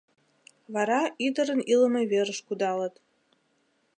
Вара ӱдырын илыме верыш кудалыт.